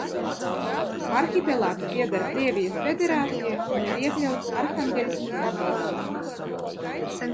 Arhipelāgs pieder Krievijas Federācijai un ir iekļauts Arhangeļskas apgabalā.